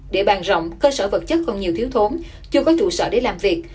để bàn rộng cơ sở vật chất không nhiều thiếu thốn chưa có trụ sở để làm việc